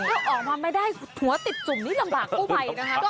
ถ้าออกมาไม่ได้หัวติดจุ่มนี้ลำบากก็ไปนะครับ